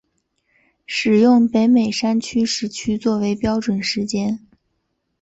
使用北美山区时区作为标准时间。